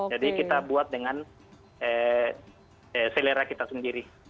jadi kita buat dengan selera kita sendiri